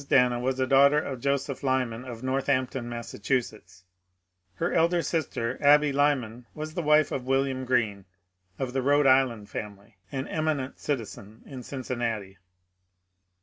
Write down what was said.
Dana was a daughter of Joseph Lyman of Northampton, Mass. Her elder sister Abby Lyman was the wife of William Greene, of the Rhode Island family, an eminent citizen of Cincinnati.